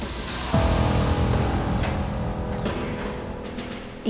bantuin gimana maksudnya